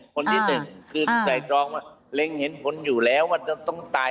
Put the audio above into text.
คนที่หนึ่งคือไตรองเห็นผลอยู่แล้วว่าต้องตาย